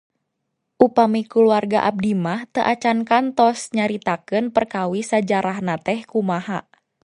Upami kulawarga abdi mah teu acan kantos nyaritakeun perkawis sajarahna teh kumaha.